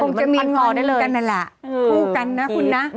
คงจะมีวันกันแหละคู่กันนะคุณนะ